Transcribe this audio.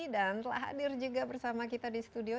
dan telah hadir juga bersama kita di studio